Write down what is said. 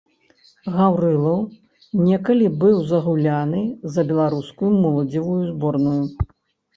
Гаўрылаў некалі быў загуляны за беларускую моладзевую зборную.